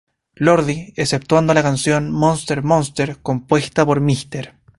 Lordi, exceptuando la canción "Monster Monster", compuesta por Mr.